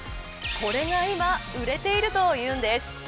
これが今売れているというんです。